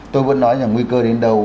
tôi vẫn nói là nguy cơ đến đâu